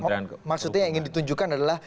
oh jadi maksudnya ingin ditunjukkan adalah